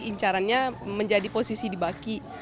incarannya menjadi posisi di baki